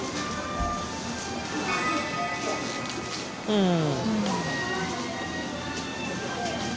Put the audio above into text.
うん。